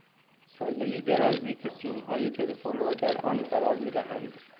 چالهی درازی که سیمهای تلفن را در آن قرار میدهند